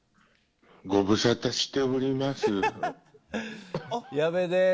ご無沙汰しております。